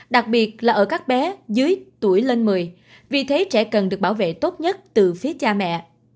đặc biệt là ở các bé dưới tuổi lên một mươi vì thế trẻ cần được bảo vệ tốt nhất từ phía cha mẹ